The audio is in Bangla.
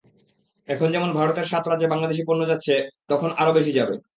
এখন যেমন ভারতের সাত রাজ্যে বাংলাদেশি পণ্য যাচ্ছে, তখন আরও বেশি যাবে।